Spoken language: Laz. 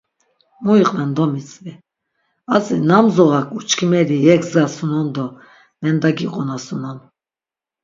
Mu iqven domitzvi, atzi nam zuğak uçkimeli yegzdasunon do mendagiqonasunon?